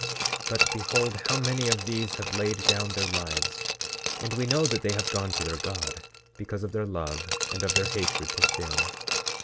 But behold how many of these have laid down their lives; and we know that they have gone to their God, because of their love and of their hatred to sin.